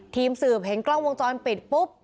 ทีมสืบเห็นกล้องวงจรปิดปุ๊บ